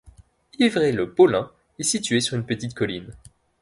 Yvré-le-Pôlin est situé sur une petite colline.